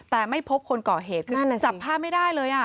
แต่ไม่พบคนก่อเหตุคือจับภาพไม่ได้เลย